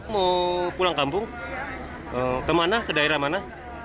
mau pulang kampung kemana ke daerah mana